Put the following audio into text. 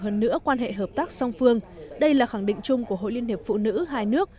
hơn nữa quan hệ hợp tác song phương đây là khẳng định chung của hội liên hiệp phụ nữ hai nước